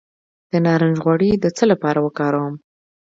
د نارنج غوړي د څه لپاره وکاروم؟